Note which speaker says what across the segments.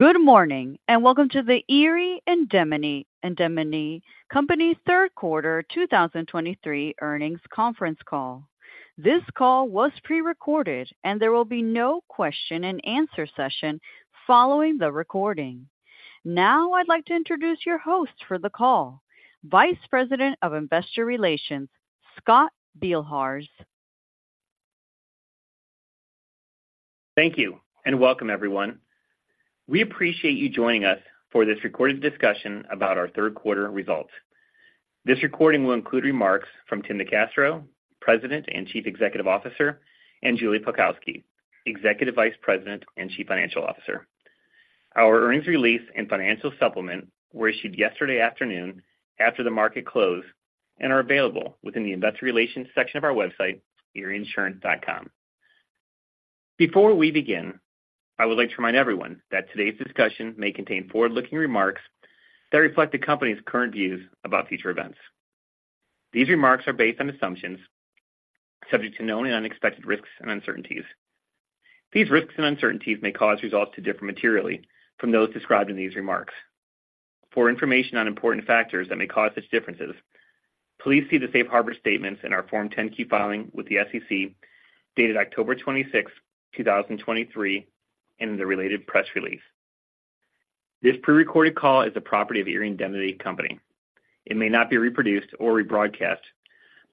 Speaker 1: Good morning, and welcome to the Erie Indemnity Company third quarter 2023 earnings conference call. This call was pre-recorded, and there will be no question-and-answer session following the recording. Now, I'd like to introduce your host for the call, Vice President of Investor Relations, Scott Beilharz.
Speaker 2: Thank you, and welcome, everyone. We appreciate you joining us for this recorded discussion about our third quarter results. This recording will include remarks from Tim NeCastro, President and Chief Executive Officer, and Julie Pelkowski, Executive Vice President and Chief Financial Officer. Our earnings release and financial supplement were issued yesterday afternoon after the market closed and are available within the investor relations section of our website, erieinsurance.com. Before we begin, I would like to remind everyone that today's discussion may contain forward-looking remarks that reflect the company's current views about future events. These remarks are based on assumptions subject to known and unexpected risks and uncertainties. These risks and uncertainties may cause results to differ materially from those described in these remarks. For information on important factors that may cause such differences, please see the Safe Harbor statements in our Form 10-K filing with the SEC, dated October 26, 2023, and in the related press release. This pre-recorded call is a property of Erie Indemnity Company. It may not be reproduced or rebroadcast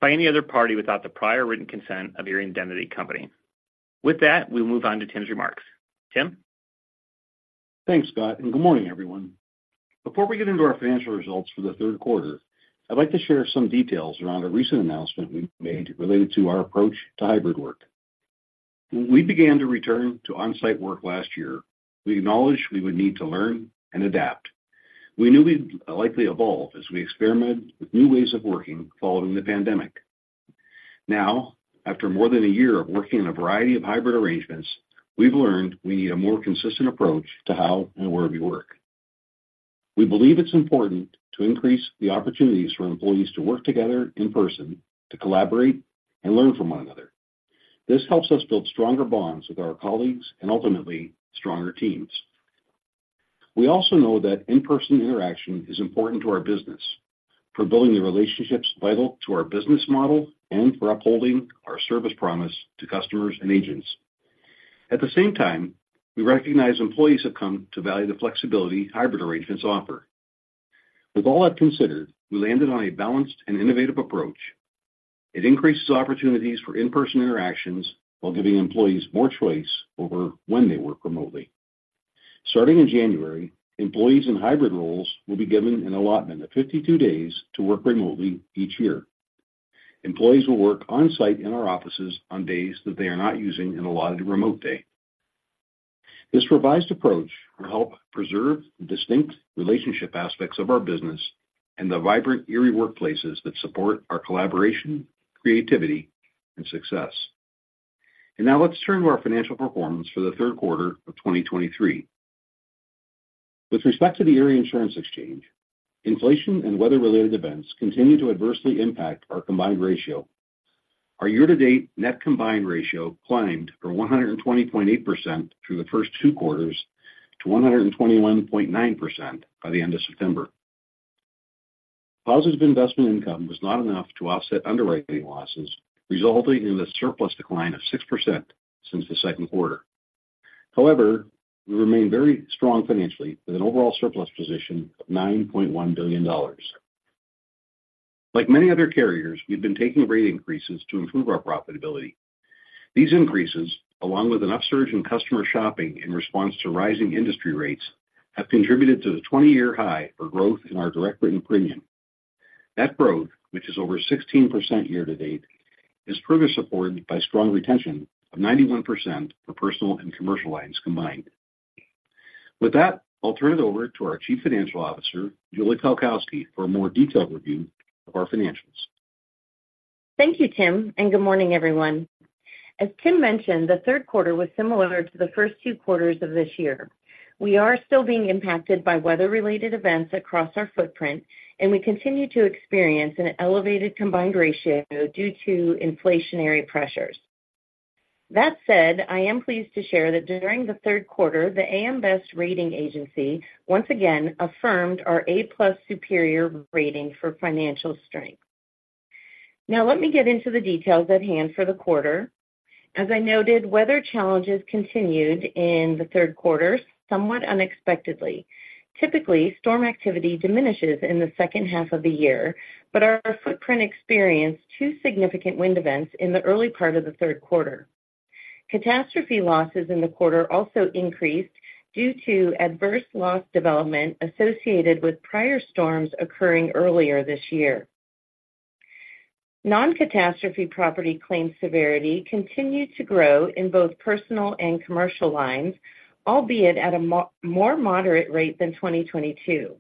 Speaker 2: by any other party without the prior written consent of Erie Indemnity Company. With that, we'll move on to Tim's remarks. Tim?
Speaker 3: Thanks, Scott, and good morning, everyone. Before we get into our financial results for the third quarter, I'd like to share some details around a recent announcement we made related to our approach to hybrid work. When we began to return to on-site work last year, we acknowledged we would need to learn and adapt. We knew we'd likely evolve as we experiment with new ways of working following the pandemic. Now, after more than a year of working in a variety of hybrid arrangements, we've learned we need a more consistent approach to how and where we work. We believe it's important to increase the opportunities for employees to work together in person, to collaborate and learn from one another. This helps us build stronger bonds with our colleagues and ultimately stronger teams. We also know that in-person interaction is important to our business, for building the relationships vital to our business model and for upholding our service promise to customers and agents. At the same time, we recognize employees have come to value the flexibility hybrid arrangements offer. With all that considered, we landed on a balanced and innovative approach. It increases opportunities for in-person interactions while giving employees more choice over when they work remotely. Starting in January, employees in hybrid roles will be given an allotment of 52 days to work remotely each year. Employees will work on-site in our offices on days that they are not using an allotted remote day. This revised approach will help preserve the distinct relationship aspects of our business and the vibrant Erie workplaces that support our collaboration, creativity, and success. Now let's turn to our financial performance for the third quarter of 2023. With respect to the Erie Insurance Exchange, inflation and weather-related events continued to adversely impact our Combined Ratio. Our year-to-date net Combined Ratio climbed from 120.8% through the first two quarters to 121.9% by the end of September. Positive investment income was not enough to offset underwriting losses, resulting in a surplus decline of 6% since the second quarter. However, we remain very strong financially, with an overall surplus position of $9.1 billion. Like many other carriers, we've been taking rate increases to improve our profitability. These increases, along with an upsurge in customer shopping in response to rising industry rates, have contributed to the 20-year high for growth in our Direct Written Premium. That growth, which is over 16% year to date, is further supported by strong retention of 91% for personal and commercial lines combined. With that, I'll turn it over to our Chief Financial Officer, Julie Pelkowski, for a more detailed review of our financials.
Speaker 4: Thank you, Tim, and good morning, everyone. As Tim mentioned, the third quarter was similar to the first two quarters of this year. We are still being impacted by weather-related events across our footprint, and we continue to experience an elevated combined ratio due to inflationary pressures. That said, I am pleased to share that during the third quarter, the A.M. Best Rating Agency once again affirmed our A+ Superior rating for financial strength. Now, let me get into the details at hand for the quarter. As I noted, weather challenges continued in the third quarter, somewhat unexpectedly. Typically, storm activity diminishes in the second half of the year, but our footprint experienced two significant wind events in the early part of the third quarter. Catastrophe losses in the quarter also increased due to adverse loss development associated with prior storms occurring earlier this year. Non-catastrophe property claims severity continued to grow in both personal and commercial lines, albeit at a more moderate rate than 2022.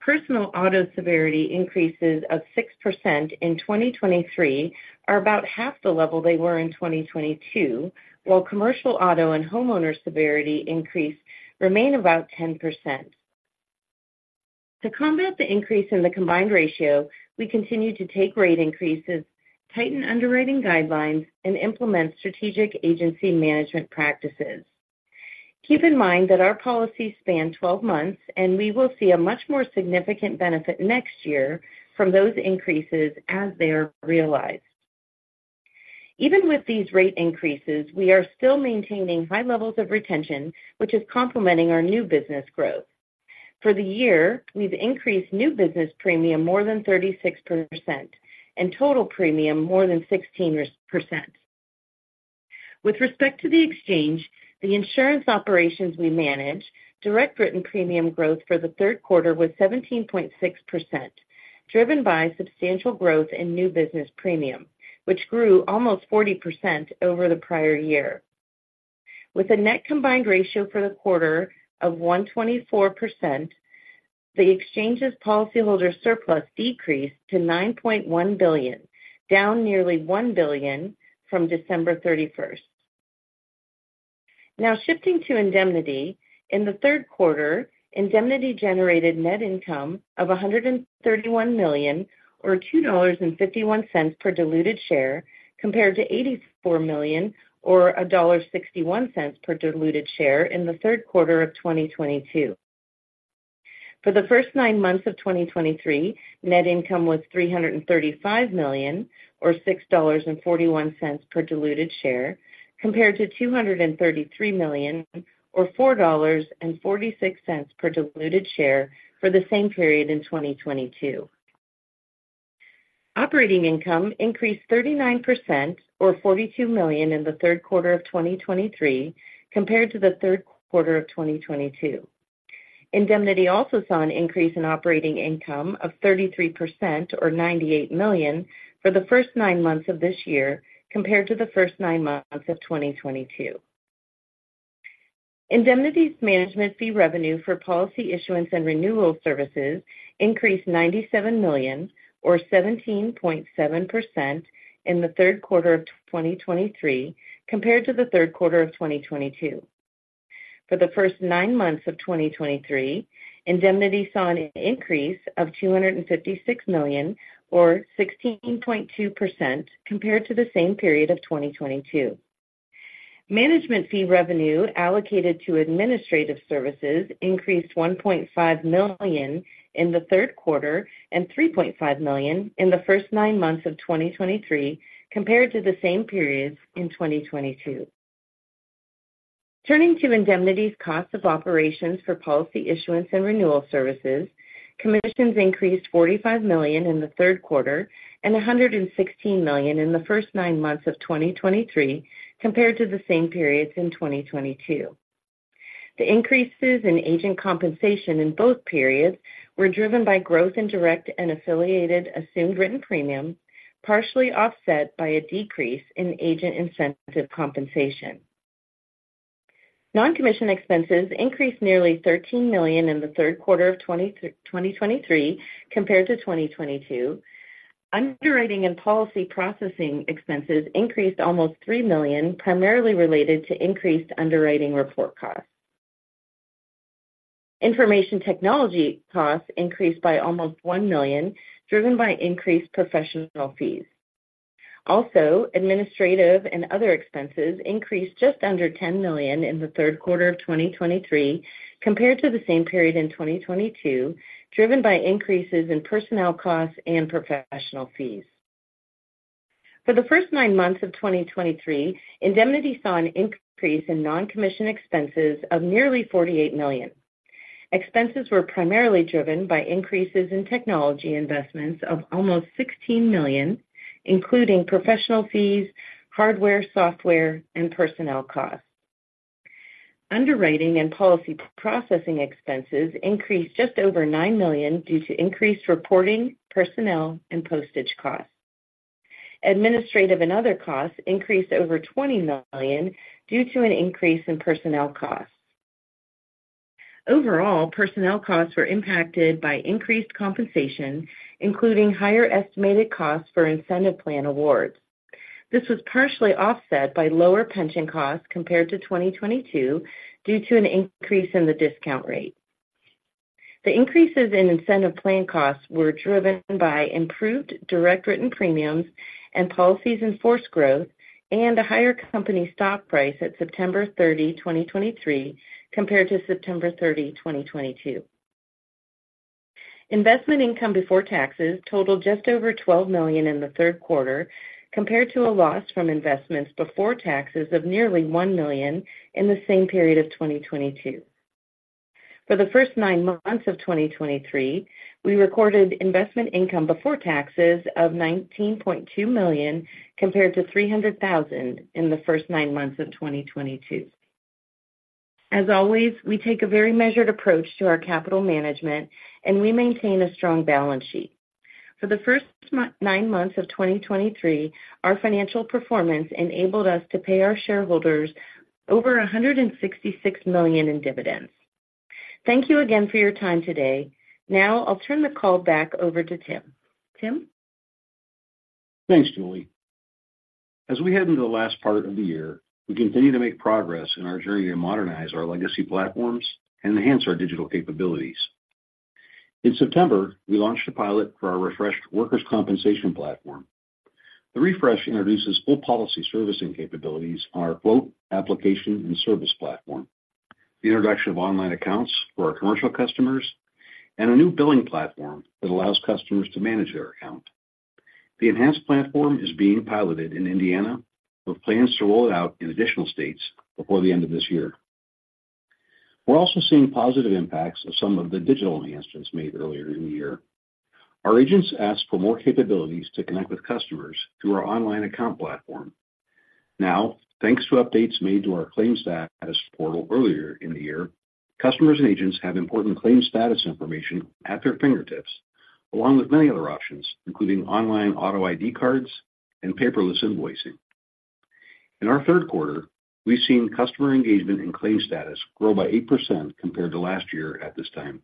Speaker 4: Personal auto severity increases of 6% in 2023 are about half the level they were in 2022, while commercial auto and homeowner severity increase remain about 10%.... To combat the increase in the combined ratio, we continue to take rate increases, tighten underwriting guidelines, and implement strategic agency management practices. Keep in mind that our policies span 12 months, and we will see a much more significant benefit next year from those increases as they are realized. Even with these rate increases, we are still maintaining high levels of retention, which is complementing our new business growth. For the year, we've increased new business premium more than 36% and total premium more than 16%. With respect to the Exchange, the insurance operations we manage, direct written premium growth for the third quarter was 17.6%, driven by substantial growth in new business premium, which grew almost 40% over the prior year. With a net combined ratio for the quarter of 124%, the Exchange's policyholder surplus decreased to $9.1 billion, down nearly $1 billion from December 31st. Now, shifting to Indemnity. In the third quarter, Indemnity generated net income of $131 million, or $2.51 per diluted share, compared to $84 million or $1.61 per diluted share in the third quarter of 2022. For the first nine months of 2023, net income was $335 million, or $6.41 per diluted share, compared to $233 million or $4.46 per diluted share for the same period in 2022. Operating income increased 39%, or $42 million in the third quarter of 2023 compared to the third quarter of 2022. Indemnity also saw an increase in operating income of 33%, or $98 million for the first nine months of this year compared to the first nine months of 2022. Indemnity's management fee revenue for policy issuance and renewal services increased $97 million or 17.7% in the third quarter of 2023 compared to the third quarter of 2022. For the first nine months of 2023, Indemnity saw an increase of $256 million, or 16.2%, compared to the same period of 2022. Management fee revenue allocated to administrative services increased $1.5 million in the third quarter and $3.5 million in the first nine months of 2023 compared to the same periods in 2022. Turning to Indemnity's cost of operations for policy issuance and renewal services, commissions increased $45 million in the third quarter and $116 million in the first nine months of 2023 compared to the same periods in 2022. The increases in agent compensation in both periods were driven by growth in direct and affiliated assumed written premium, partially offset by a decrease in agent incentive compensation. Non-commission expenses increased nearly $13 million in the third quarter of 2023 compared to 2022. Underwriting and policy processing expenses increased almost $3 million, primarily related to increased underwriting report costs. Information technology costs increased by almost $1 million, driven by increased professional fees. Also, administrative and other expenses increased just under $10 million in the third quarter of 2023 compared to the same period in 2022, driven by increases in personnel costs and professional fees. For the first nine months of 2023, Indemnity saw an increase in non-commission expenses of nearly $48 million. Expenses were primarily driven by increases in technology investments of almost $16 million, including professional fees, hardware, software, and personnel costs. Underwriting and policy processing expenses increased just over $9 million due to increased reporting, personnel, and postage costs. Administrative and other costs increased over $20 million due to an increase in personnel costs. Overall, personnel costs were impacted by increased compensation, including higher estimated costs for incentive plan awards. This was partially offset by lower pension costs compared to 2022 due to an increase in the discount rate. The increases in incentive plan costs were driven by improved direct written premiums and policies in force growth and a higher company stock price at September 30, 2023, compared to September 30, 2022. Investment income before taxes totaled just over $12 million in the third quarter, compared to a loss from investments before taxes of nearly $1 million in the same period of 2022. For the first nine months of 2023, we recorded investment income before taxes of $19.2 million, compared to $300,000 in the first nine months of 2022. As always, we take a very measured approach to our capital management and we maintain a strong balance sheet. For the first nine months of 2023, our financial performance enabled us to pay our shareholders over $166 million in dividends. Thank you again for your time today. Now I'll turn the call back over to Tim. Tim?
Speaker 3: Thanks, Julie. As we head into the last part of the year, we continue to make progress in our journey to modernize our legacy platforms and enhance our digital capabilities. In September, we launched a pilot for our refreshed workers' compensation platform. The refresh introduces full policy servicing capabilities on our quote, application, and service platform, the introduction of online accounts for our commercial customers, and a new billing platform that allows customers to manage their account. The enhanced platform is being piloted in Indiana, with plans to roll it out in additional states before the end of this year. We're also seeing positive impacts of some of the digital enhancements made earlier in the year. Our agents asked for more capabilities to connect with customers through our online account platform. Now, thanks to updates made to our claims status portal earlier in the year, customers and agents have important claim status information at their fingertips, along with many other options, including online auto ID cards and paperless invoicing. In our third quarter, we've seen customer engagement and claim status grow by 8% compared to last year at this time.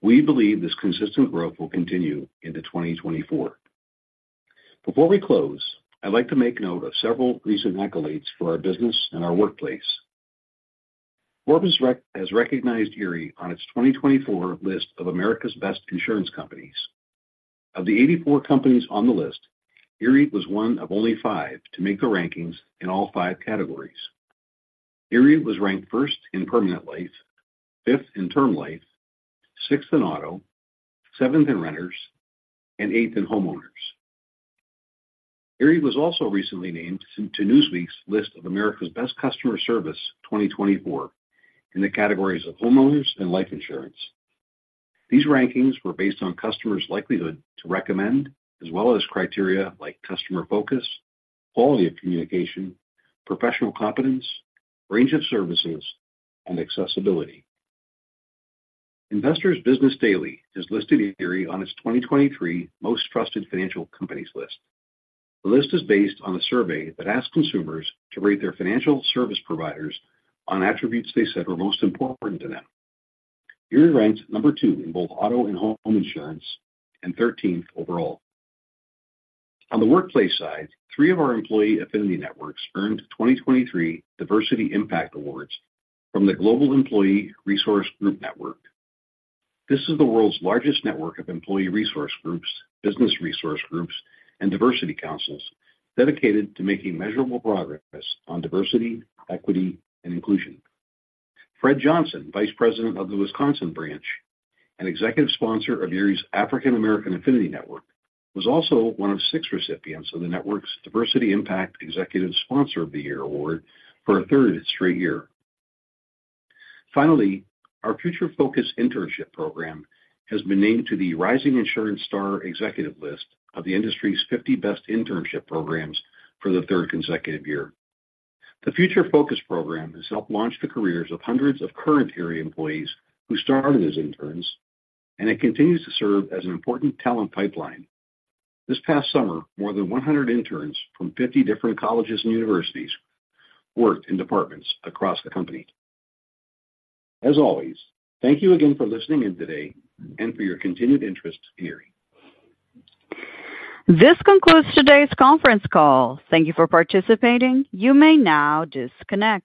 Speaker 3: We believe this consistent growth will continue into 2024. Before we close, I'd like to make note of several recent accolades for our business and our workplace. Forbes has recognized Erie on its 2024 list of America's Best Insurance Companies. Of the 84 companies on the list, Erie was one of only five to make the rankings in all five categories. Erie was ranked first in permanent life, fifth in term life, sixth in auto, seventh in renters, and eighth in homeowners. Erie was also recently named to Newsweek's list of America's Best Customer Service 2024 in the categories of homeowners and life insurance. These rankings were based on customers' likelihood to recommend, as well as criteria like customer focus, quality of communication, professional competence, range of services, and accessibility. Investor's Business Daily has listed Erie on its 2023 Most Trusted Financial Companies list. The list is based on a survey that asks consumers to rate their financial service providers on attributes they said were most important to them. Erie ranked number two in both auto and home insurance, and thirteenth overall. On the workplace side, three of our employee affinity networks earned 2023 Diversity Impact Awards from the Global Employee Resource Group Network. This is the world's largest network of employee resource groups, business resource groups, and diversity councils dedicated to making measurable progress on diversity, equity, and inclusion. Fred Johnson, vice president of the Wisconsin branch, and executive sponsor of Erie's African American Affinity Network, was also one of six recipients of the network's Diversity Impact Executive Sponsor of the Year award for a third straight year. Finally, our Future Focus internship program has been named to the Rising Insurance Star Executives list of the industry's 50 best internship programs for the third consecutive year. The Future Focus program has helped launch the careers of hundreds of current Erie employees who started as interns, and it continues to serve as an important talent pipeline. This past summer, more than 100 interns from 50 different colleges and universities worked in departments across the company. As always, thank you again for listening in today and for your continued interest in Erie.
Speaker 1: This concludes today's conference call. Thank you for participating. You may now disconnect.